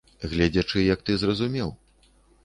Гледзячы як ты зразумеў.